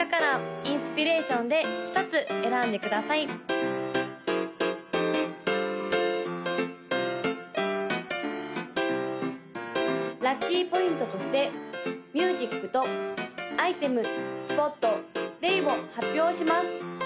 ・赤色紫色黄色青色の・ラッキーポイントとしてミュージックとアイテムスポットデイを発表します！